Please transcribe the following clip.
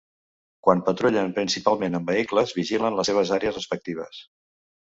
Quan patrullen, principalment en vehicles, vigilen les seves àrees respectives.